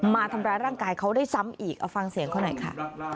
มาทำร้ายร่างกายเขาได้ซ้ำอีกเอาฟังเสียงเขาหน่อยค่ะ